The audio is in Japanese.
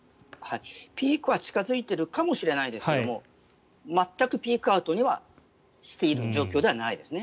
ピークは近付いているかもしれないですけれども全くピークアウトしている状況ではないです。